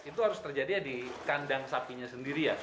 itu harus terjadi ya di kandang sapinya sendiri ya